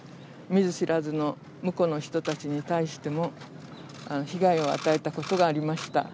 見ず知らずのむこの人たちに対しても、被害を与えたことがありました。